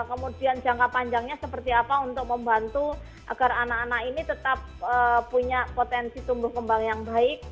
kemudian jangka panjangnya seperti apa untuk membantu agar anak anak ini tetap punya potensi tumbuh kembang yang baik